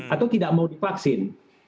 atau tidak mau divaksin